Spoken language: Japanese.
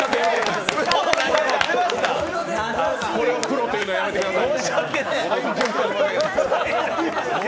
これをプロと言うのやめてください。